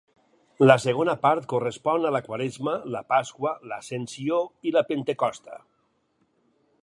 La segona part correspon a la Quaresma, la Pasqua, l'Ascensió i la Pentecosta.